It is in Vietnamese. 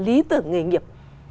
lý tưởng nghề nghiệp